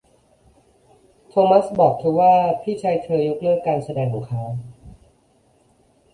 โทมัสบอกเธอว่าพี่ชายเธอยกเลิกการแสดงของเขา